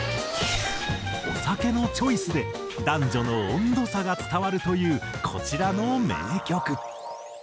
お酒のチョイスで男女の温度差が伝わるというこちらの名曲。